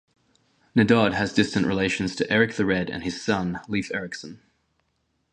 Naddod has distant relations to Erik the Red and his son, Leif Erikson.